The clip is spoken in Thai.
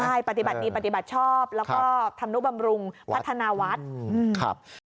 ใช่ปฏิบัติดีปฏิบัติชอบแล้วก็ธรรมนุบำรุงพัฒนาวัดครับ